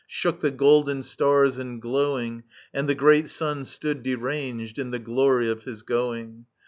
Shook the golden stars and glowing. And the great Sun stood deranged In the glory of his going.